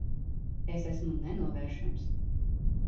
Es esmu nenovēršams.